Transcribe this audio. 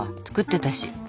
作ってたし。